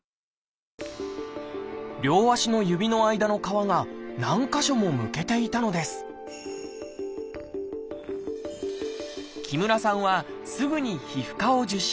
両足の指の間の皮が何か所もむけていたのです木村さんはすぐに皮膚科を受診。